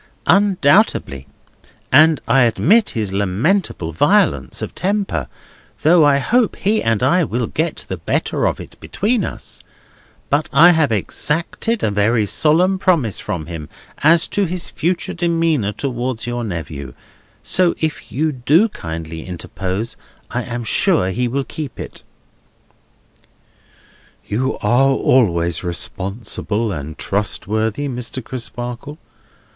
"Undoubtedly; and I admit his lamentable violence of temper, though I hope he and I will get the better of it between us. But I have exacted a very solemn promise from him as to his future demeanour towards your nephew, if you do kindly interpose; and I am sure he will keep it." "You are always responsible and trustworthy, Mr. Crisparkle.